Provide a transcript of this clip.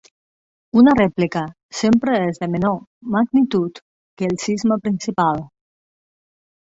Una rèplica sempre és de menor magnitud que el sisme principal.